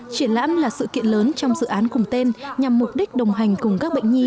triển lãm là sự kiện lớn trong dự án cùng tên nhằm mục đích đồng hành cùng các bệnh nhi